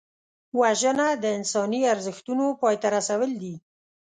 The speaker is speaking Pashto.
وژنه د انساني ارزښتونو پای ته رسول دي